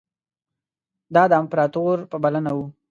دا د امپراطور په بلنه وو.